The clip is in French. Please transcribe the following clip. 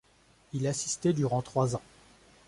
Il assistait durant trois ans.